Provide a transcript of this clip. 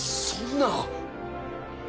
そんな！